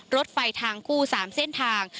รถไฟทางคู่๓เส้นทาง